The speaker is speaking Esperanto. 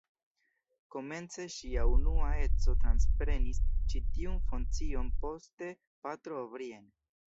Komence ŝia unua edzo transprenis ĉi tiun funkcion, poste Patro O’Brien.